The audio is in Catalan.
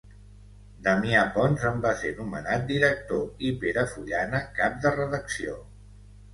Damià Pons en va ser nomenat director i Pere Fullana cap de redacció.